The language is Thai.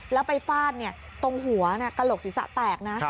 แล้วไปฟาดตรงหัวกระโหลกศีรษะแตกนะ